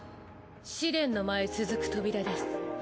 試練の間へ続く扉です。